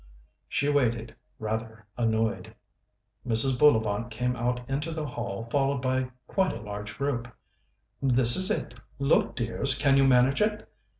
She waited, rather annoyed. Mrs. Bullivant came out into the hall, followed by quite a large group. "This is it. Look, dears, can you manage it?